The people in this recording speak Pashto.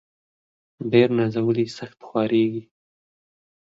ډير نازولي ، سخت خوارېږي.